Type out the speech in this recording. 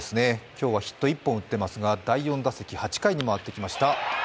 今日はヒット１本を打ってますが、第４打席、８回に回ってきました。